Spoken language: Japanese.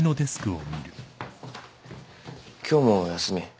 今日も休み。